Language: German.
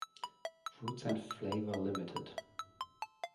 Fruits and Flavour Ltd.